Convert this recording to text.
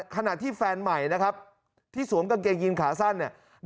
ขณะที่แฟนใหม่นะครับที่สวมกางเกงยีนขาสั้นเนี่ย